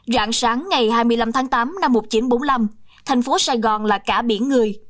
rạng sáng ngày hai mươi năm tháng tám năm một nghìn chín trăm bốn mươi năm thành phố sài gòn là cả biển người